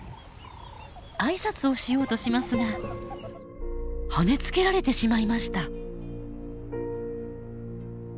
挨拶をしようとしますがはねつけられてしまいました。